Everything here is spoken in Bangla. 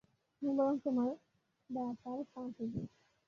আমি বরং তোমার ডায়াপার পাল্টে দিই।